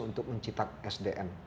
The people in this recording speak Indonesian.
untuk mencetak sdn